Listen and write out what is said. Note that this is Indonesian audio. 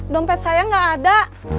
dompet saya gak ada